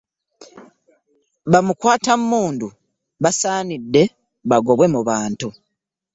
Bamukwata mundu basanidde bagobwe mu bantu.